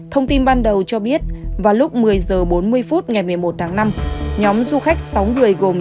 thông tin ban đầu cho biết vào lúc một mươi h bốn mươi phút ngày một mươi một tháng năm nhóm du khách sáu người gồm